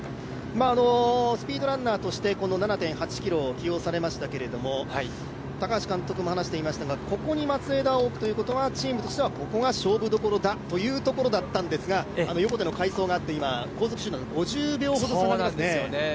スピードランナーとして７．８ｋｍ起用されましたけど高橋監督も話していましたがここに松枝を置くということはチームとしてはここが勝負どころだというところだったんですが横手の快走があって、後続集団と５０秒ほど差がありますね。